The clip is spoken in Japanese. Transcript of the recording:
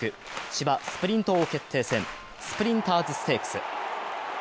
芝スプリント王決定戦、スプリンターズステークス。